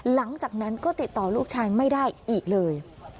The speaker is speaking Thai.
หลังจากนั้นก็ติดต่อลูกชายไม่ได้อีกเลย